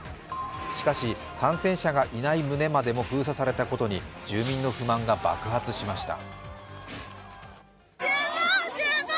しかし、感染者がいない棟までも封鎖されたことに住民の不満が爆発しました。